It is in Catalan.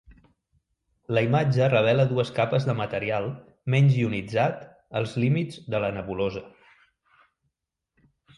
La imatge revela dues capes de material menys ionitzat als límits de la nebulosa.